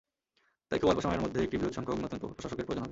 তাই খুব অল্প সময়ের মধ্যেই একটি বৃহৎ সংখ্যক নতুন প্রশাসকের প্রয়োজন হবে।